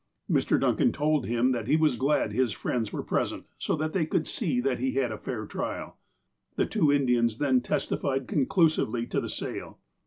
Mr. Duncan told him that he was glad his friends were present, so that they could see that he had a fair trial. The two Indians then testified conclusively to the sale.